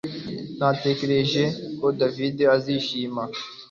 Natekereje ko David azishima